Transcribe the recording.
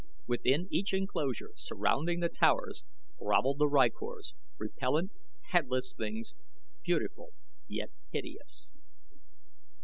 Within each enclosure surrounding the towers grovelled the rykors, repellent, headless things, beautiful yet hideous.